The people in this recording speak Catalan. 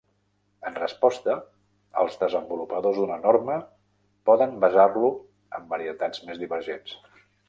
En resposta, els desenvolupadors d'una norma poden basar-lo en varietats més divergents.